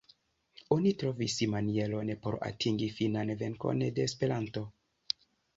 Oni trovis manieron por atingi finan venkon de Esperanto!